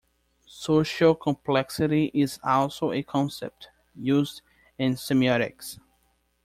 Social complexity is also a concept used in semiotics.